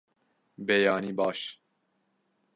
Beyanî baş!